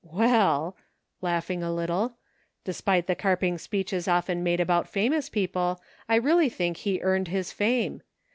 " "Well," laughing a little, "despite the carping speeches often made about famous people, I really think he earned his fame.